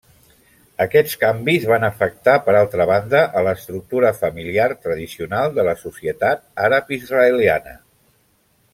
Aquests canvis van afectar per altra banda a l'estructura familiar tradicional de la societat àrab-israeliana.